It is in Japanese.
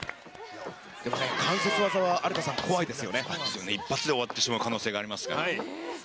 でもね、関節技は有田さん、そうなんですよね、一発で終わってしまう可能性がありますからね。